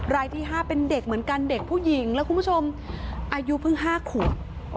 รายที่๕เป็นเด็กเหมือนกันเด็กผู้หญิงแล้วคุณผู้ชมอายุเพิ่ง๕ขวบ